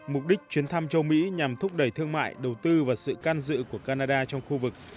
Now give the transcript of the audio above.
mục đích chuyến thăm châu mỹ nhằm thúc đẩy thương mại đầu tư và sự can dự của canada trong khu vực